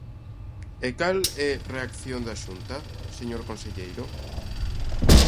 ¿E cal é reacción da Xunta, señor conselleiro?